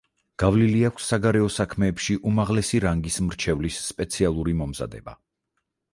გავლილი აქვს საგარეო საქმეებში უმაღლესი რანგის მრჩეველის სპეციალური მომზადება.